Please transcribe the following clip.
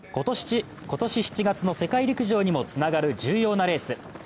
今年７月の世界陸上にもつながる重要なレース。